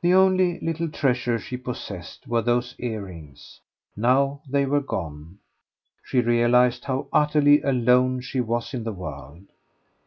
The only little treasure she possessed were those earrings; now they were gone, she realised how utterly alone she was in the world.